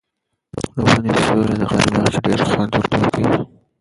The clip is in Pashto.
د ونې سیوری د غرمې په وخت کې ډېر خوند ورکوي.